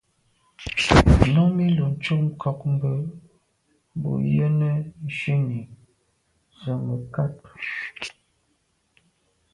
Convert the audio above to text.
Númí lùcúp ŋkɔ̀k mbə̌ bū yə́nə́ shúnì zə̀ mə̀kát.